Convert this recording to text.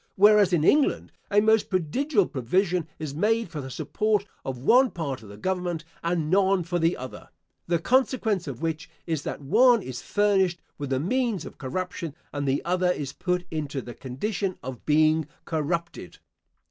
Whereas in England, a most prodigal provision is made for the support of one part of the Government, and none for the other, the consequence of which is that the one is furnished with the means of corruption and the other is put into the condition of being corrupted.